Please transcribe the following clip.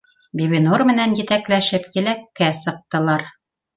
Бибинур менән етәкләшеп еләккә сыҡтылар